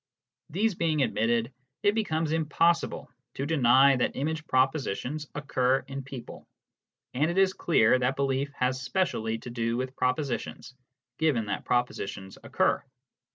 These being admitted, it becomes impossible to deny that image propositions occur in people, arid it is clear that belief has specially to do with propositions, given that propositions occur.